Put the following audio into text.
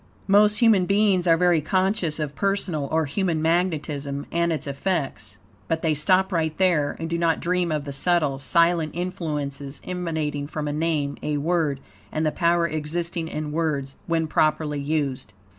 Most human beings are very conscious of personal, or human magnetism, and its effects. But they stop right there, and do not dream of the subtle, silent influences emanating from a name, a word, and the power existing in words, when properly used.